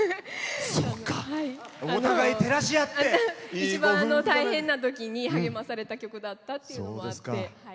一番大変なときに励まされた曲だったということもあって。